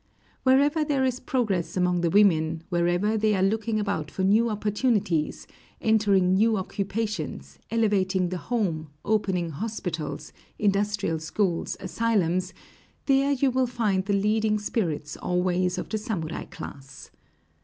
Wherever there is progress among the women, wherever they are looking about for new opportunities, entering new occupations, elevating the home, opening hospitals, industrial schools, asylums, there you will find the leading spirits always of the samurai class.